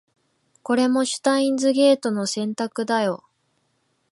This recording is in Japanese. これもシュタインズゲートの選択だよ